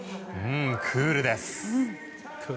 クールです！